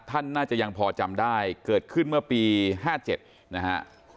ท่านน่าจะยังพอจำได้เกิดขึ้นเมื่อปี๕๗นะฮะ